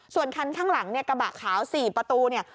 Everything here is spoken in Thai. ส่วนคันข้างหลังเนี่ยกระบะขาว๔ประตูเนี่ย